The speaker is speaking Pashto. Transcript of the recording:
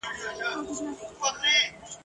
له اسمانه مي راغلی بیرغ غواړم ..